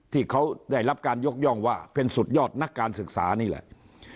ที่เขาได้รับการยกย่องว่าเป็นสุดยอดนักการศึกษานี่แหละ